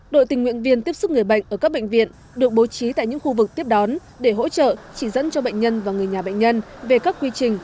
đội tình nguyện viên tiếp xúc người bệnh ở các bệnh viện được bố trí tại những khu vực tiếp đón để hỗ trợ chỉ dẫn cho bệnh nhân và người nhà bệnh nhân về các quy trình